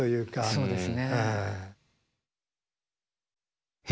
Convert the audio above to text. そうですね。